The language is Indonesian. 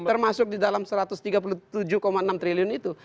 termasuk di dalam satu ratus tiga puluh tujuh enam triliun itu